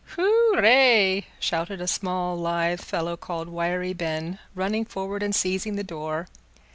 "Hoorray!" shouted a small lithe fellow called Wiry Ben, running forward and seizing the door.